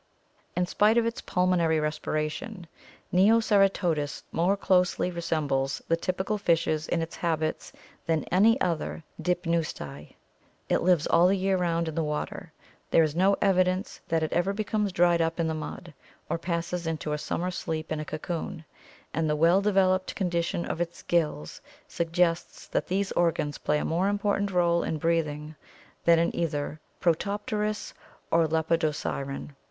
"In spite of its pulmonary respiration, Neoceratodus more closely resembles the typical fishes in its habits than any other Dipneusti. It lives all the year round in the water. There is no evidence that it ever becomes dried up in the mud, or passes into a summer sleep in a cocoon, and the well developed condition of its gills suggests that these organs play a more important rdle in breathing than in either Protopterus or Lepidosiren.